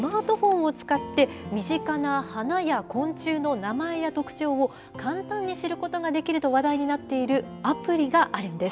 続いては、スマートフォンを使って、身近な花や昆虫の名前や特徴を簡単に知ることができると話題になっているアプリがあるんです。